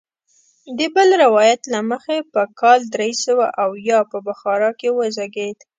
د بل روایت له مخې په کال درې سوه اویا په بخارا کې وزیږېد.